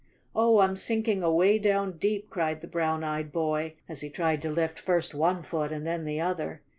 "Oh, I'm sinking away down deep!" cried the brown eyed boy, as he tried to lift first one foot and then the other.